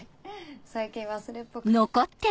最近忘れっぽくて。